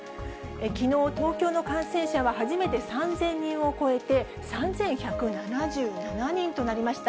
きのう、東京の感染者は初めて３０００人を超えて、３１７７人となりました。